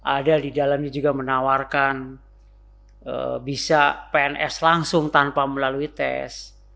ada di dalamnya juga menawarkan bisa pns langsung tanpa melalui tes